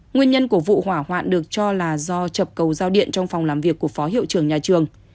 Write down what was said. nguyên nhân của vụ hỏa hoạn được cho là do chập cầu giao điện trong phòng làm việc của phó hiệu trưởng nhà trường